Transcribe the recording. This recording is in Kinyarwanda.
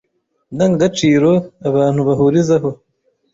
ndangagaciro abantu bahurizaho